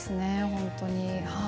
本当に。